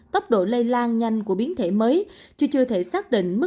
tốc độ lây lan nhanh của biến thể delta